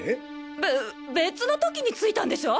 べ別の時に付いたんでしょ！